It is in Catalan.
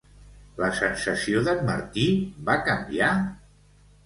La sensació d'en Martí va canviar?